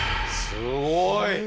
すごい。